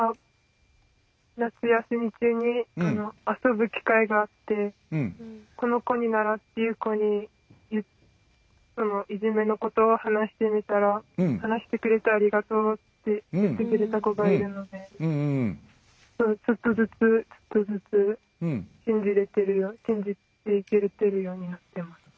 夏休み中に遊ぶ機会があってこの子にならっていう子にいじめのことを話してみたら話してくれてありがとうって言ってくれた子がいるのでちょっとずつ、ちょっとずつ信じていけるようになっていけてます。